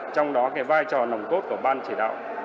trong đó cái vai trò nồng cốt của ban chỉ đạo